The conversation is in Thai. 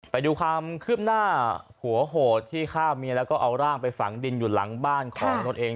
ไปดูความคืบหน้าหัวโหดที่ฆ่าเมียแล้วก็เอาร่างไปฝังดินอยู่หลังบ้านของตนเอง